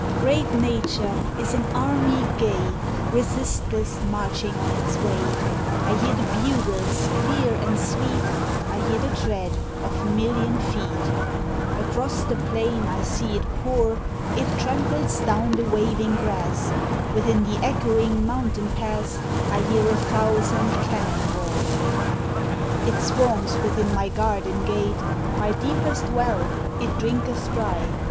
Great Nature is an army gay, Resistless marching on its way ; I hear the bugles clear and sweet, I hear the tread of million feet. Across the plain I see it pour; It tramples down the waving grass ; NATURES INFLUENCE. 17 Within the echoing mountain pass I hear a thousand cannon roar. It swarms within my garden gate ; My deepest well it drinketh dry.